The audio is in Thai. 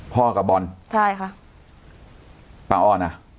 กับบอลใช่ค่ะป้าอ้อนอ่ะ